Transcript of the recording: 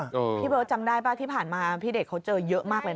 พี่เบิร์ตจำได้ป่ะที่ผ่านมาพี่เดชเขาเจอเยอะมากเลย